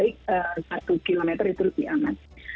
kalau lebih baik satu kilometer itu lebih aman